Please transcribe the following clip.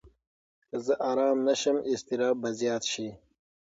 که زه ارامه نه شم، اضطراب به زیات شي.